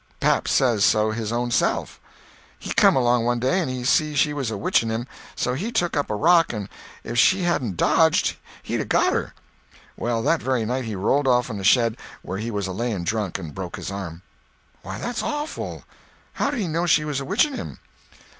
Pap says so his own self. He come along one day, and he see she was a witching him, so he took up a rock, and if she hadn't dodged, he'd a got her. Well, that very night he rolled off'n a shed wher' he was a layin drunk, and broke his arm." "Why, that's awful. How did he know she was a witching him?"